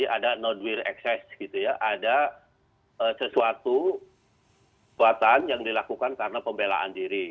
ada non will access ada sesuatu yang dilakukan karena pembelaan diri